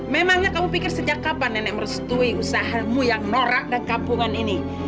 memangnya kamu pikir sejak kapan nenek merestui usahamu yang norak dan kampungan ini